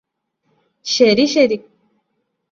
ശരിശരി